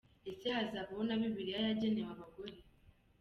Ese hazabaho na Bibiliya yagenewe abagore?.